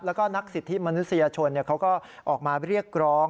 แล้วก็นักสิทธิมนุษยชนเขาก็ออกมาเรียกร้อง